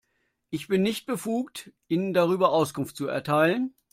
Ich bin nicht befugt, Ihnen darüber Auskunft zu erteilen.